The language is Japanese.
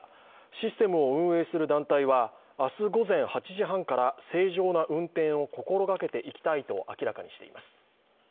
システムを運営する団体は明日午前８時半から、正常な運転を心がけていきたいと明らかにしています。